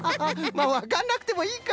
まあわかんなくてもいいか！